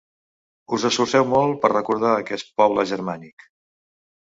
Us esforceu molt per recordar aquest poble germànic.